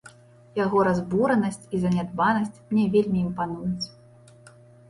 Яго разбуранасць і занядбанасць мне вельмі імпануюць.